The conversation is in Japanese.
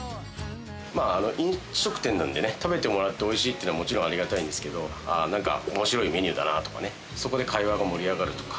飲食店なんでね、食べてもらって、おいしいというのは、もちろんありがたいんですけど面白いメニューだなとか、そこで会話が盛り上がるとか。